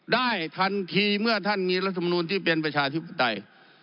ได้ทันทีเมื่อท่านมีรัฐมนูลที่เป็นประชาธิปไตย